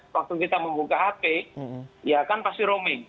waktu kita membuka hp ya kan pasti rooming